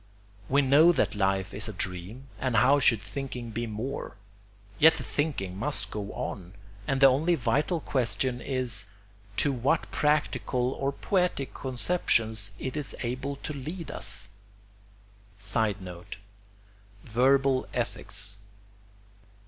We know that life is a dream, and how should thinking be more? Yet the thinking must go on, and the only vital question is to what practical or poetic conceptions it is able to lead us. [Sidenote: Verbal ethics.